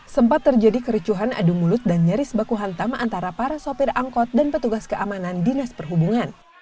sempat terjadi kericuhan adu mulut dan nyaris baku hantam antara para sopir angkot dan petugas keamanan dinas perhubungan